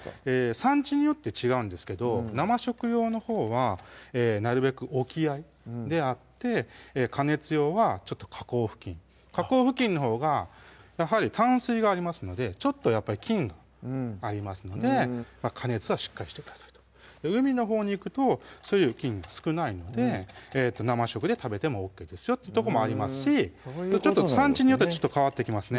産地によって違うんですけど生食用のほうはなるべく沖合であって加熱用は河口付近河口付近のほうがやはり淡水がありますのでちょっとやっぱり菌がありますので加熱はしっかりしてくださいと海のほうに行くとそういう菌が少ないので生食で食べてもＯＫですよっていうとこもありますし産地によって変わってきますね